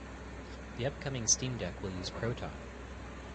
The upcoming Steam Deck will use Proton.